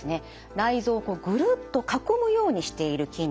内臓をぐるっと囲むようにしている筋肉。